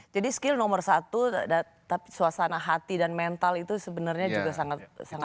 jadi skill nomor satu tapi suasana hati dan mental itu sebenarnya juga sangat penting ya